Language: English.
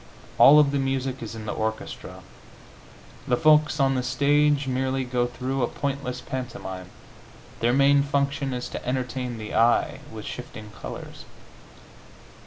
All of the music is in the orchestra; the folks on the stage merely go through a pointless pantomime; their main function is to entertain the eye with shifting colors.